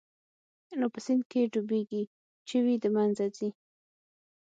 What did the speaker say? نو په سيند کښې ډوبېږي چوي د منځه ځي.